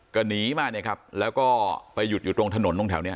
ก็หนีมาเนี่ยครับแล้วก็ไปหยุดอยู่ตรงถนนตรงแถวเนี้ย